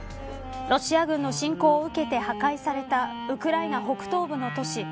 ロシア軍の侵攻を受けて破壊されたウクライナ北東部の都市